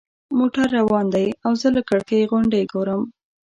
موټر روان دی او زه له کړکۍ غونډۍ ګورم.